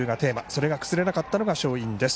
それが崩れなかったのが勝因です。